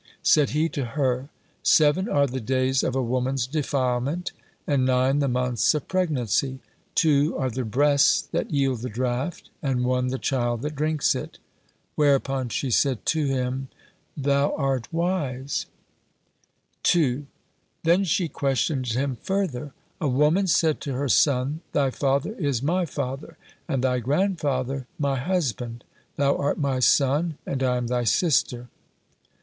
Said he to her: "Seven are the days of a woman's defilement, and nine the months of pregnancy; two are the breasts that yield the draught, and one the child that drinks it." Whereupon she said to him: "Thou art wise." 2. Then she questioned him further: "A woman said to her son, thy father is my father, and thy grandfather my husband; thou art my son, and I am thy sister."